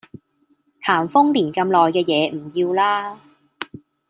咸豐年咁耐嘅嘢唔要喇